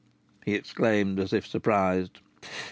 he exclaimed, as if surprised.